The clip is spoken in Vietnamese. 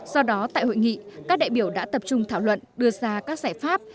do đó tại hội nghị các đại biểu đã tập trung thảo luận đưa ra các giải pháp